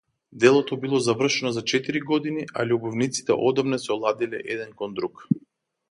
Делото било завршено за четири години, а љубовниците одамна се оладиле еден кон друг.